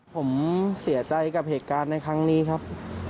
ผมเสียใจกับเหตุการณ์ในครั้งนี้ครับ